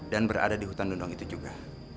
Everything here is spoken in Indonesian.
dan berada di hutan dunung itu juga